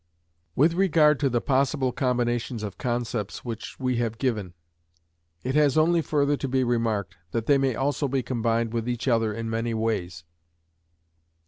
With regard to the possible combinations of concepts which we have given, it has only further to be remarked that they may also be combined with each other in many ways.